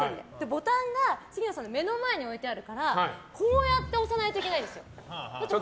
ボタンが杉野さんの目の前に置いてあるからこうやって押さないといけないんです。